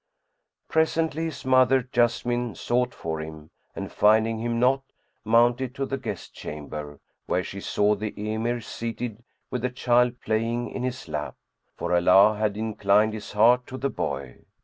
Presently, his mother Jessamine sought for him and finding him not, mounted to the guest chamber, where she saw the Emir seated, with the child playing in his lap, for Allah had inclined his heart to the boy.